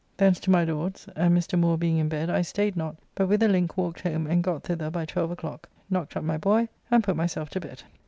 Thence to my Lord's, and Mr. Moore being in bed I staid not, but with a link walked home and got thither by 12 o'clock, knocked up my boy, and put myself to bed.